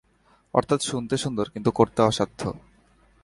অর্থাৎ, শুনতে সুন্দর কিন্তু করতে অসাধ্য!